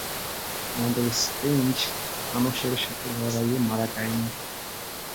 আমাদের স্ট্রেঞ্জ থানোসের সাথে লড়াইয়ে মারা যায়নি।